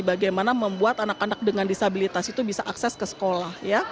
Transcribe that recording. bagaimana membuat anak anak dengan disabilitas itu bisa akses ke sekolah